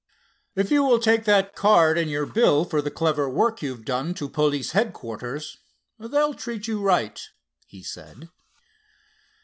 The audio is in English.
"If you will take that card, and your bill for the clever work you've done, to police headquarters, they'll treat you right," he said.